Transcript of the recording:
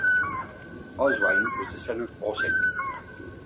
Oswine was the son of Osric.